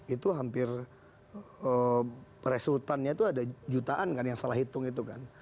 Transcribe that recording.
itu hampir resultannya itu ada jutaan kan yang salah hitung itu kan